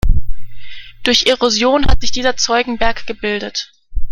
Durch Erosion hat sich dieser Zeugenberg gebildet.